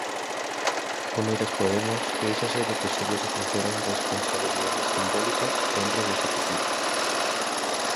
Unidas Podemos quéixase de que só lles ofreceron "responsabilidades simbólicas" dentro do Executivo.